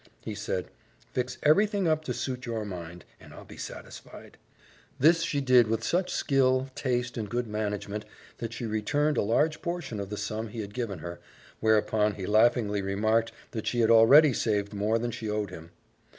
He said, "fix everything up to suit your mind, and I'll be satisfied." This she did with such skill, taste, and good management that she returned a large portion of the sum he had given her, whereupon he laughingly remarked that she had already saved more than she owed him.